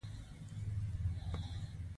زه کولی شم دا لوحه ډیره ارزانه وپلورم